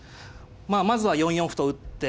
まあまずは４四歩と打って。